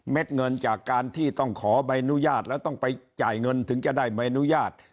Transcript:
เงินจากการที่ต้องขอใบอนุญาตแล้วต้องไปจ่ายเงินถึงจะได้ใบอนุญาต